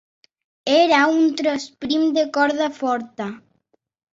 Era un tros prim de corda forta.